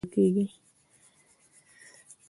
د حېرانتیا یا ندا نښه په لاندې ځایونو کې کارول کیږي.